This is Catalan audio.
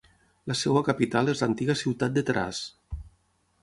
La seva capital és l'antiga ciutat de Taraz.